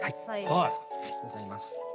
ありがとうございます。